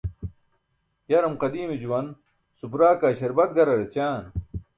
yarum qadiime juwan supra kaa śarbat garar ećaan